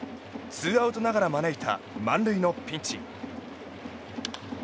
ツーアウトながら招いた満塁のピンチ。